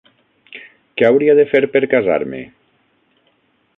Què hauria de fer per casar-me?